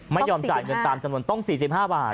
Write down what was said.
ไม่ยอมจ่ายเงินตามจำนวนต้อง๔๕บาท